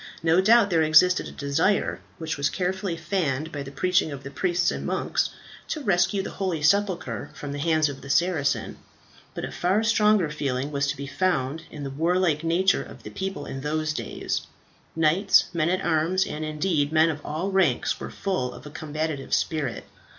No doubt there existed a desire, which was carefully fanned by the preaching of the priests and monks, to rescue the holy sepulchre from the hands of the Saracens; but a far stronger feeling was to be found in the warlike nature of the people in those days. Knights, men at arms, and indeed men of all ranks, were full of a combative spirit.